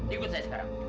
ikut saya sekarang